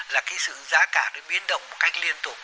sản phẩm đang giàu là cái sự giá cả biến động một cách liên tục